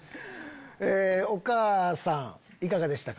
お母さんいかがでしたか？